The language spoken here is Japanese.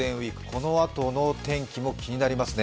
このあとの天気も気になりますね